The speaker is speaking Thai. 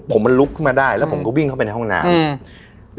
ผมมันลุกขึ้นมาได้แล้วผมก็วิ่งเข้าไปในห้องน้ำอืม